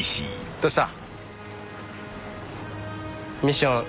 どうした？